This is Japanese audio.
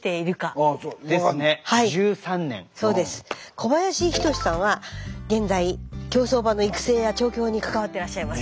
小林仁さんは現在競走馬の育成や調教に関わってらっしゃいます。